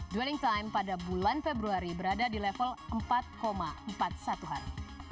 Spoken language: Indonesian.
dwelling time pada bulan februari berada di level empat empat puluh satu hari